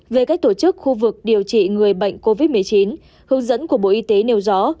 về cách tổ chức khu vực điều trị người bệnh covid một mươi chín hướng dẫn của bộ y tế nêu rõ